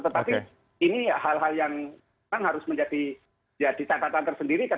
tetapi ini hal hal yang memang harus menjadi catatan tersendiri